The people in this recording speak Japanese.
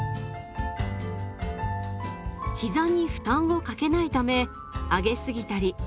ひざに負担をかけないため上げすぎたり